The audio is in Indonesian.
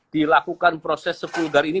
dilakukan proses sepulgar ini